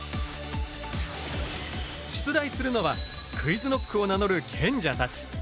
出題するのはＱｕｉｚＫｎｏｃｋを名乗る賢者たち。